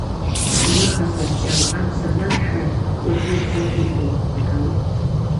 Ҳныха саркьал абз анамшәа, Кәыдри Бзыԥи еиԥнагалт.